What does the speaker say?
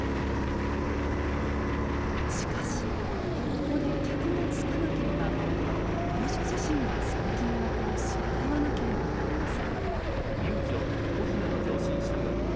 しかしここで客がつかなければ遊女自身がその金額を支払わなければなりません。